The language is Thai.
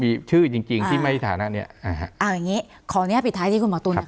ที่มีชื่อเยี่ยมจริงที่ไม่คะแหน่ะอย่างงี้ขออนุญาตปิดท้ายที่คุณหมอตุ้น